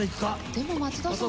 でも松田さん